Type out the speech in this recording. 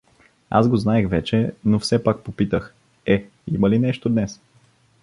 Аз го знаех вече, но все пак попитах: — Е, има ли нещо днес?